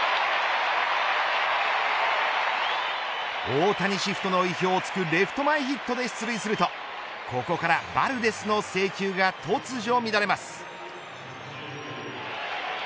大谷シフトの意表をつくレフト前ヒットで出塁するとここからバルデスの制球が突如乱れます。